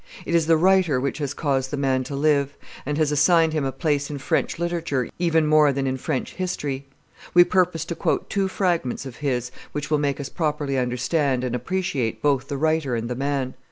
It is the writer which has caused the man to live, and has assigned him a place in French literature even more than in French history. We purpose to quote two fragments of his, which will make us properly understand and appreciate both the writer and the man.